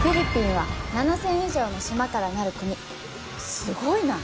すごいな！